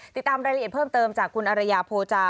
ติดตามรายละเอียดเพิ่มเติมจากคุณอรยาโพจา